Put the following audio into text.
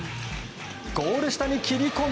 ゴール下に切り込み